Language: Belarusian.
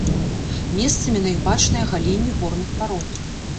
Месцамі на іх бачныя агаленні горных парод.